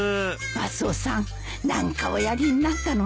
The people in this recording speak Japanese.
マスオさん何かおやりになったのね。